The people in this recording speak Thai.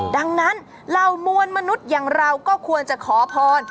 ดังนั้นเหล่ามวลมนุษย์อย่างเราก็ควรจะขอพร